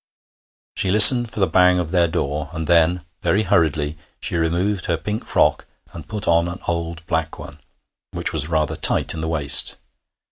She listened for the bang of their door, and then, very hurriedly, she removed her pink frock and put on an old black one, which was rather tight in the waist.